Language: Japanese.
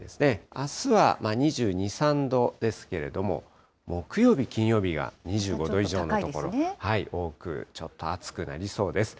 あすは２２、３度ですけれども、木曜日、金曜日が２５度以上の所多く、ちょっと暑くなりそうです。